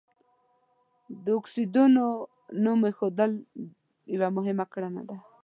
د اکسایډونو نوم ایښودل یوه مهمه کړنه ده.